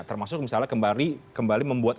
termasuk misalnya kembali membuat